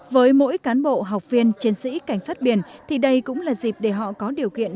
với mỗi cán bộ học viên chiến sĩ cảnh sát biển thì đây cũng là dịp để họ có điều kiện